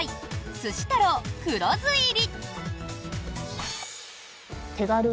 すし太郎黒酢入り。